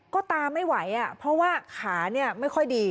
ก็ตาไม่ไหวเพราะว่าขาเนี่ยไม่ค่อยดี